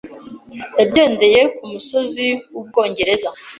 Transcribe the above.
Yagendeye kumusozi wUbwongereza